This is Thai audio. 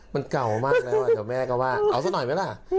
มันเก่ามากแล้วแต่แม่ก็ว่าเอาซะหน่อยไหมล่ะ